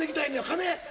金？